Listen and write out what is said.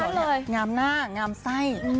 หน้ากล้องหน้าหน้ามี